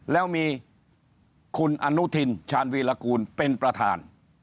แล้วมีคุณอนุทินชาญวีรกูลเป็นประธาน